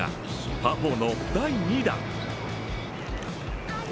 パー４の第２打。